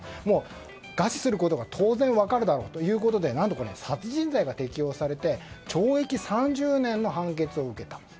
もう餓死することが当然分かるだろうということで何と殺人罪が適用されて懲役３０年の判決を受けた。